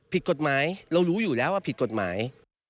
ผิดกฎหมายเรารู้อยู่แล้วว่าผิดกฎหมาย